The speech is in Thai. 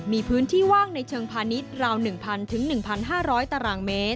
มีพื้นที่ว่างในเชิงพาณิชย์ราว๑๐๐๑๕๐๐ตารางเมตร